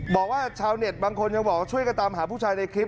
บอกว่าชาวเน็ตบางคนยังบอกช่วยกันตามหาผู้ชายในคลิป